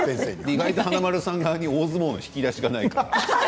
意外と華丸さん大相撲の引き出しがないから。